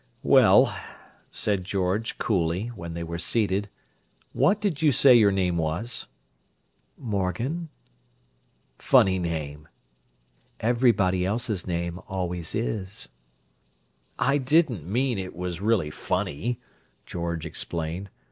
"Well," said George, coolly, when they were seated, "what did you say your name was?" "Morgan." "Funny name!" "Everybody else's name always is." "I didn't mean it was really funny," George explained.